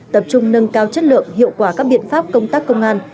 tập trung nâng cao chất lượng hiệu quả các biện pháp công tác công an